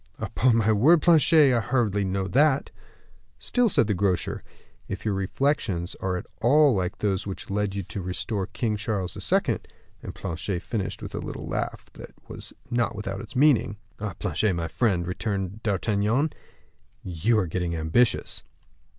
"Upon my word, Planchet, I hardly know that." "Still," said the grocer, "if your reflections are at all like those which led you to restore King Charles II. " and Planchet finished by a little laugh which was not without its meaning. "Ah! Planchet, my friend," returned D'Artagnan, "you are getting ambitious."